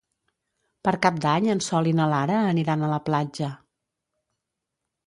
Per Cap d'Any en Sol i na Lara aniran a la platja.